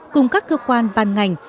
cùng các cơ quan ban ngành